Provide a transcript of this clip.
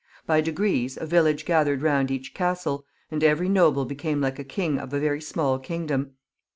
By degrees a village gathered roimd each castle, and every noble became like a king of a very small kingdom.